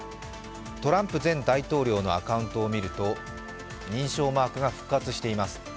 トランプ前大統領のアカウントを見ると認証マークが復活しています。